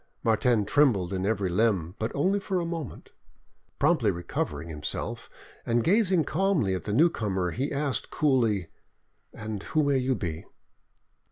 Martin trembled in every limb, but only for a moment. Promptly recovering himself, and gazing calmly at the newcomer, he asked coolly— "And who may you be?"